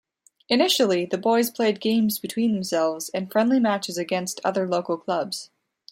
Initially, the boys played games between themselves and friendly matches against other local clubs.